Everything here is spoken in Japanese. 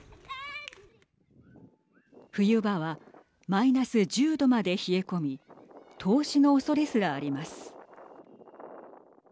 冬場はマイナス１０度まで冷え込み凍死のおそれすらあります。